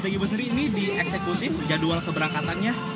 bagi ibu sri ini di eksekutif jadwal keberangkatannya